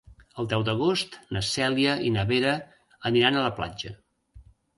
El deu d'agost na Cèlia i na Vera aniran a la platja.